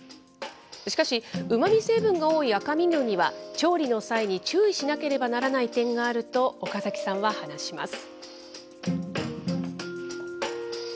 しかし、うまみ成分が多い赤身魚には、調理の際に注意しなければならない点があると岡崎さんは話します。